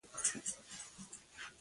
افریقا د اروپا او اسیا پر ځای وټاکل شوه.